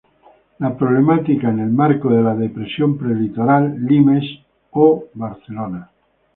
La problemática en el marco de la Depresión Prelitoral", "Limes" O, Barcelona.